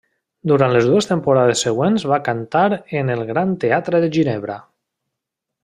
Durant les dues temporades següents va cantar en el Gran Teatre de Ginebra.